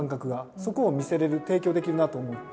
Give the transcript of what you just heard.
そこを見せれる提供できるなあと思って。